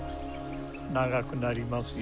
長くなりますよ？